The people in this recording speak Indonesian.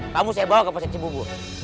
kamu saya bawa ke posisi bubur